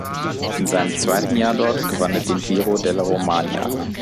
In seinem zweiten Jahr dort gewann er den Giro della Romagna.